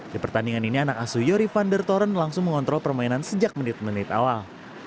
di pertandingan ini anak asu yori vander toren langsung mengontrol permainan sejak menit menit awal